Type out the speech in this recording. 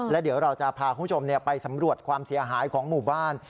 และเดี๋ยวเราจะพาคุณผู้ชมไปสำรวจความเสียหายของหมู่บ้าน